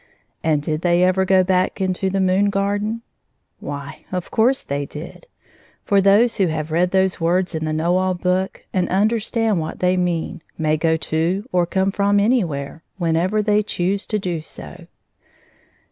And did they ever go back into the moon gar den ? Why, of course they did, for those who have read those words in the Know All Book, and understand what they mean, may go to or come fi om anywhere, whenever they choose to do so.